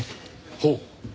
ほう。